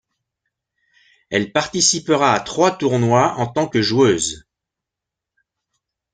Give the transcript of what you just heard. Elle participera à trois tournois en tant que joueuse.